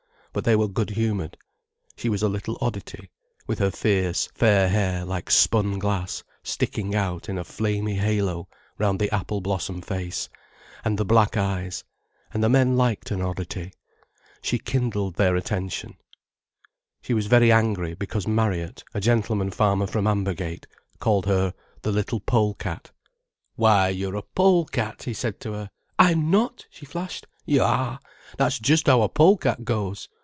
But they were good humoured. She was a little oddity, with her fierce, fair hair like spun glass sticking out in a flamy halo round the apple blossom face and the black eyes, and the men liked an oddity. She kindled their attention. She was very angry because Marriott, a gentleman farmer from Ambergate, called her the little pole cat. "Why, you're a pole cat," he said to her. "I'm not," she flashed. "You are. That's just how a pole cat goes."